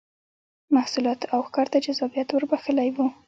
محصولاتو او ښکار ته جذابیت ور بخښلی و